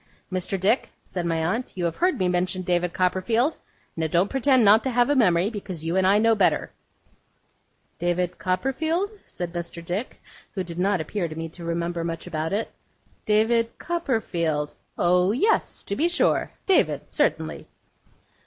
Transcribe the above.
'Mr. Dick,' said my aunt, 'you have heard me mention David Copperfield? Now don't pretend not to have a memory, because you and I know better.' 'David Copperfield?' said Mr. Dick, who did not appear to me to remember much about it. 'David Copperfield? Oh yes, to be sure. David, certainly.